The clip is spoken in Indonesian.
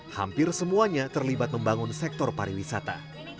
hampir semuanya terlibat membangun sektor pariwisata